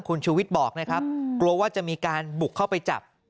คุณชูวิทย์บอกนะครับกลัวว่าจะมีการบุกเข้าไปจับ